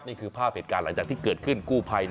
นี่คือภาพเหตุการณ์หลังจากที่เกิดขึ้นกู้ภัย